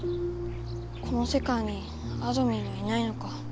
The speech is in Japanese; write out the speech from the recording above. このせかいにあどミンはいないのか。